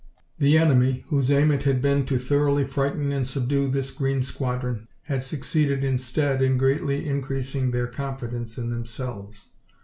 The enemy, whose aim it had been to thoroughly frighten and subdue this green squadron, had succeeded instead in greatly increasing their confidence in themselves.